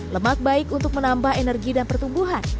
lemak baik untuk menambah energi dan pertumbuhan